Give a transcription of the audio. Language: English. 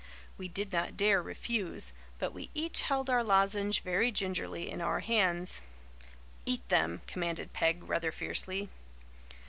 We did not dare refuse but we each held our lozenge very gingerly in our hands. "Eat them," commanded Peg rather fiercely.